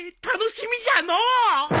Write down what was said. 楽しみじゃのう！